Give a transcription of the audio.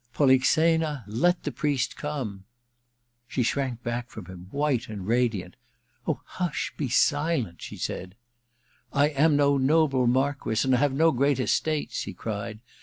Polixena, let the priest come 1 ' She shrank back from him, white and radiant. ' Oh, hush, be silent !' she said. Ill ENTERTAINMENT 341 * I am no noble Marquess, and have no great estates,' he cried.